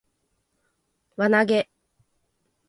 輪投げ